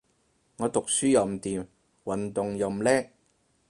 我讀書又唔掂，運動又唔叻